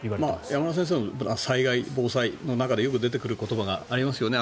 山村先生の災害、防災の話の中でよく出てくる言葉がありますよね。